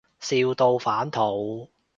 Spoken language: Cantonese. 笑到反肚